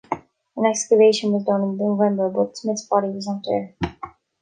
An excavation was done in November, but Smith's body was not there.